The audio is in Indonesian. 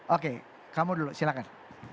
oke kamu dulu silahkan